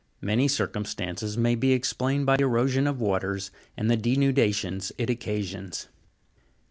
Many circumstances may be explained by erosion of waters, and the denudations it occasions.